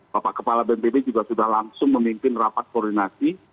bapak kepala bnpb juga sudah langsung memimpin rapat koordinasi